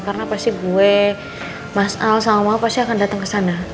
karena pasti gue mas al sama om al pasti akan dateng kesana